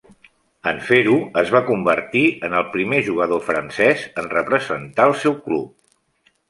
En fer-ho, es va convertir en el primer jugador francès en representar el seu club.